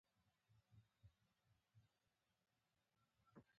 مسلمان علما په یوه مهمه خبره پوه شوي وو.